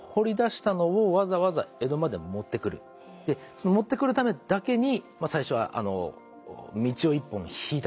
その持ってくるためだけに最初は道を１本引いたんですね。